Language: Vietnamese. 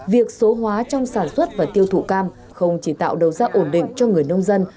việc số hóa trong sản xuất và tiêu thụ cam không chỉ tạo đầu ra ổn định cho người nông dân